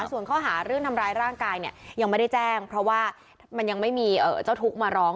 ส่วนข้อหาเรื่องทำร้ายร่างกายเนี่ยยังไม่ได้แจ้งเพราะว่ามันยังไม่มีเจ้าทุกข์มาร้อง